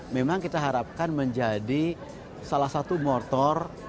memang kita harapkan menjadi salah satu motor